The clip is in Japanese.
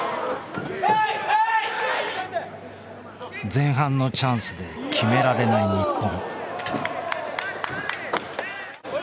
前半のチャンスで決められない日本。